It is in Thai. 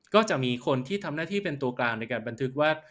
ก็จะมีคนที่ทำหน้าที่เป็นตัวกลางในการบันทึกว่า